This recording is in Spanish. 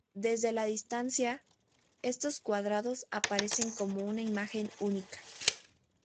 Desde la distancia, estos cuadrados aparecen como una imagen única.